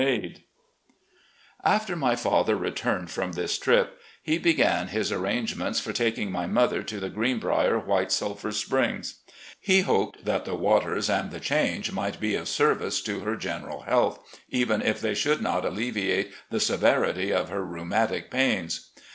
274 RECOLLECTIONS OF GENERAL LEE After my father returned from this trip, he began his arrangements for taking my mother to the Greenbrier White Sulphur Springs. He hoped that the waters and the change might be of service to her general health, even if they should not alleviate the severity of her rheumatic pains.